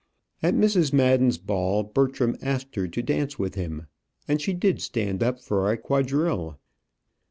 At Mrs. Madden's ball, Bertram asked her to dance with him, and she did stand up for a quadrille.